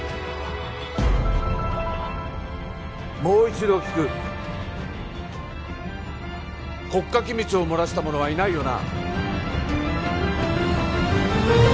もう一度聞く国家機密を漏らした者はいないよな？